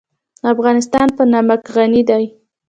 افغانستان په نمک غني دی.